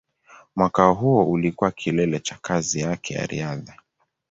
Mwaka huo ulikuwa kilele cha kazi yake ya riadha.